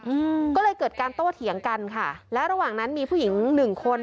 อืมก็เลยเกิดการโต้เถียงกันค่ะแล้วระหว่างนั้นมีผู้หญิงหนึ่งคน